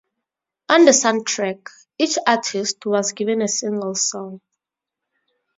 On the soundtrack, each artist was given a single song.